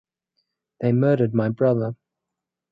They murdered my brother.